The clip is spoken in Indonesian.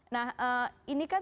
nah ini kan